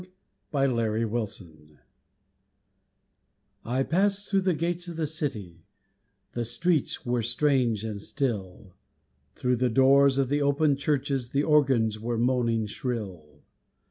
LIFE AND NATURE I passed through the gates of the city, The streets were strange and still, Through the doors of the open churches The organs were moaning shrill.